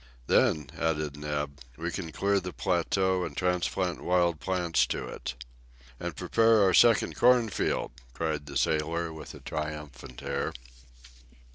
"Then," added Neb, "we can clear the plateau, and transplant wild plants to it." "And prepare our second corn field!" cried the sailor with a triumphant air.